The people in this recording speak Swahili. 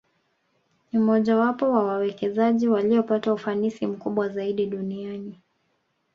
Ni mmojawapo wa wawekezaji waliopata ufanisi mkubwa zaidi duniani